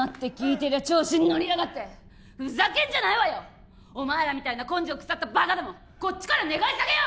てりゃ調子に乗りやがってふざけんじゃないわよお前らみたいな根性腐ったバカどもこっちから願い下げよ！